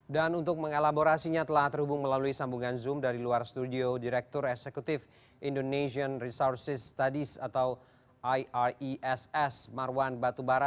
dan untuk mengelaborasinya telah terhubung melalui sambungan zoom dari luar studio direktur eksekutif indonesian resources studies atau iress marwan batubara